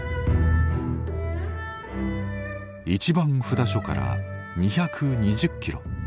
一番札所から２２０キロ。